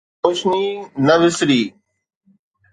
ته روشني نه وسري.